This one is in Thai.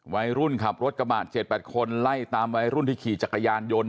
วัยรุ่นขับรถกระบะ๗๘คนไล่ตามวัยรุ่นที่ขี่จักรยานยนต์